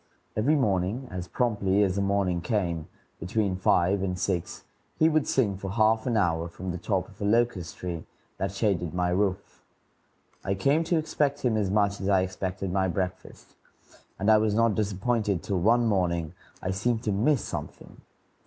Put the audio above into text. Every morning, as promptly as the morning came, between five and six, he would sing for half an hour from the top of a locust tree that shaded my roof. I came to expect him as much as I expected my breakfast, and I was not disappointed till one morning I seemed to miss something.